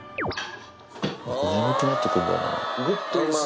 眠くなってくるんだよな。